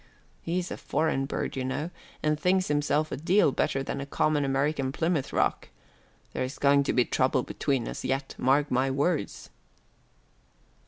He's a foreign bird, you know, and thinks himself a deal better than a common American Plymouth Rock. There's going to be trouble between us yet, mark my words."